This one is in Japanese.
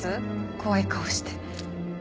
怖い顔して。